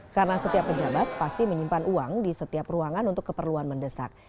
karena setiap pejabat pasti menyimpan uang di setiap ruangan untuk keperluan mendesak